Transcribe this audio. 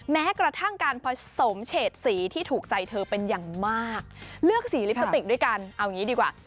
แม้กระทั่งการผสมเฉดสีที่ถูกใจเธอเป็นอย่างมากเลือกสีลิปสติกด้วยกันเอาอย่างนี้ดีกว่า